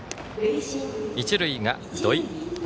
一塁が土井。